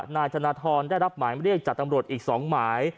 นายธนทรได้รับหมายเรียกจากตำรวจอีก๒หมาย